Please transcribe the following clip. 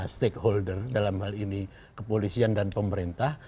karena stakeholder dalam hal ini kepolisian dan pemerintah